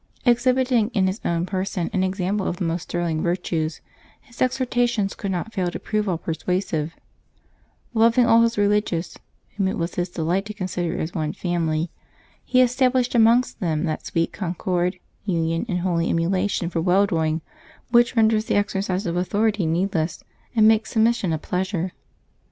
Exhibiting in his own person an example of the most sterling virtues, his exhortations could not fail to prove all persuasive: loving all his relig iousj whom it was his delight to consider as one family, he established amongst them that sweet concord, union, and holy emulation for well doing which render the exercise of authority needless, and makes submission a pleasure.